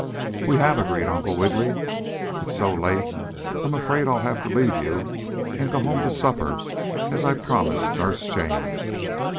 "We have," agreed Uncle Wiggily. "It is so late I'm afraid I'll have to leave you and go home to supper, as I promised Nurse Jane."